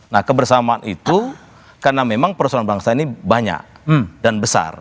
nah kebersamaan itu karena memang persoalan bangsa ini banyak dan besar